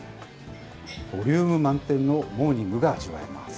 ボリューム満点のモーニングが味わえます。